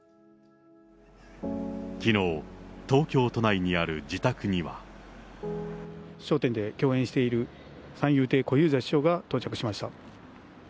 きのう、東京都内にある自宅には。笑点で共演している三遊亭小遊三師匠が到着しました。